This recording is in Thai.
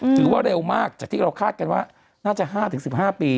อืมถือว่าเร็วมากจากที่เราคาดกันว่าน่าจะห้าถึงสิบห้าปี